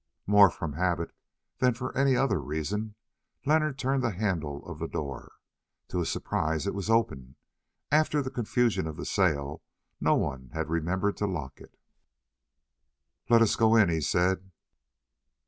More from habit than for any other reason Leonard turned the handle of the door. To his surprise it was open; after the confusion of the sale no one had remembered to lock it. "Let us go in," he said.